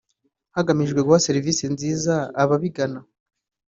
hagamijwe guha serivise nziza ababigana